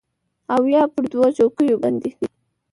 او یا پر دوو چوکیو باندې